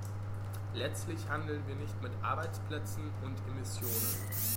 Letztlich handeln wir nicht mit Arbeitsplätzen und Emissionen.